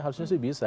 harusnya sih bisa